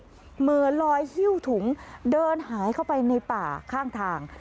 เหมือนลอยหิ้วถุงเดินหายเข้าไปในป่าข้างทาง